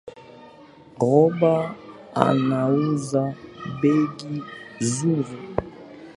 Roba anauza begi zuri